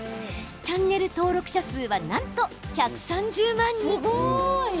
チャンネル登録者数はなんと１３０万人。